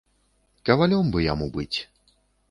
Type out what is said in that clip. Кавалём бы яму быць.